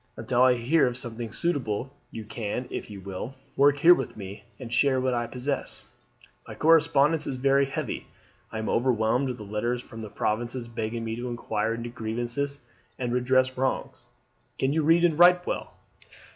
Until I hear of something suitable you can, if you will, work here with me, and share what I possess. My correspondence is very heavy. I am overwhelmed with letters from the provinces begging me to inquire into grievances and redress wrongs. Can you read and write well?"